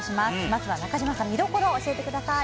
まずは中島さん見どころを教えてください。